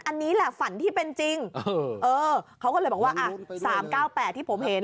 อันนี้แหละฝันที่เป็นจริงเขาก็เลยบอกว่า๓๙๘ที่ผมเห็น